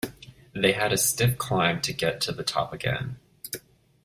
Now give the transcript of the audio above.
They had a stiff climb to get to the top again.